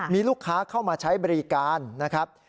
มีลูกค้าเข้ามาใช้บริการนะครับ